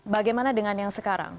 bagaimana dengan yang sekarang